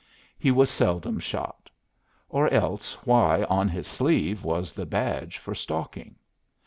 He was seldom shot. Or else why on his sleeve was the badge for "stalking"?